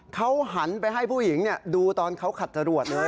เขาหันไปให้ผู้หญิงดูตอนเขาขัดจรวดเลย